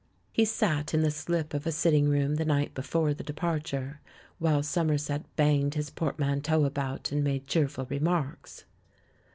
He sat in the slip of a sitting room the night before the departure, while Somerset banged his portmanteaux about and made cheerful remarks.